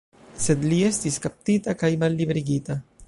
Sed li estis kaptita kaj malliberigita.